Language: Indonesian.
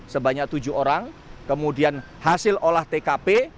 sebanyak tujuh orang kemudian hasil olah tkp